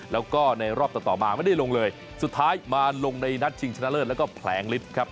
แล้วก็ในรอบต่อมาไม่ได้ลงเลยสุดท้ายมาลงในนัดชิงชนะเลิศแล้วก็แผลงฤทธิ์ครับ